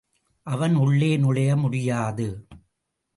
அவன் உள்ளே நுழைய முடியாது.